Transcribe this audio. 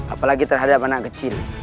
apalagi terhadap anak kecil